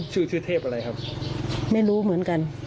ชื่อชื่อเทพอะไรครับไม่รู้เหมือนกัน